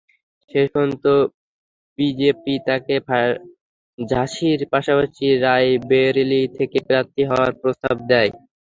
শেষ পর্যন্ত বিজেপি তাঁকে ঝাঁসির পাশাপাশি রায়বেরিলি থেকে প্রার্থী হওয়ার প্রস্তাব দেয়।